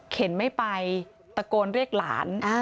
ไม่ไปตะโกนเรียกหลาน